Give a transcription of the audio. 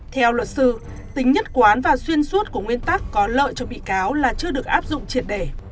theo luật sư tính nhất quán và xuyên suốt của nguyên tắc có lợi cho bị cáo là chưa được áp dụng triệt đề